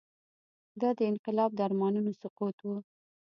دا د انقلاب د ارمانونو سقوط و.